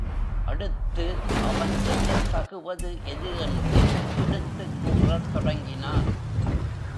அடுத்து அவன் செய்யத் தகுவது எது என்று எடுத்துக் கூறத் தொடங்கினான்.